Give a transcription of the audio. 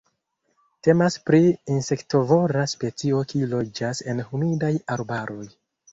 Temas pri insektovora specio kiu loĝas en humidaj arbaroj.